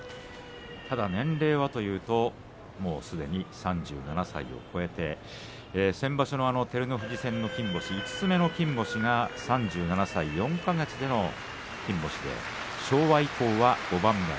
ただ年齢はというとすでに３７歳を超えて先場所の照ノ富士戦の金星５つ目の金星が３７歳４か月での金星昭和以降は５番目。